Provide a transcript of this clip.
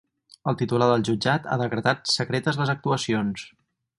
El titular del jutjat ha decretat secretes les actuacions.